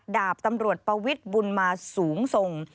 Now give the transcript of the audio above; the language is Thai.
ดาบตำรวจปวิทย์บุญมาสูงทรง